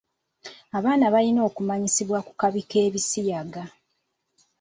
Abaana alina okumanyisibwa ku kabi k'ebisiyaga.